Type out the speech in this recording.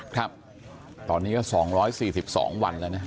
ครับตอนนี้ก็๒๔๒วันแล้วนะ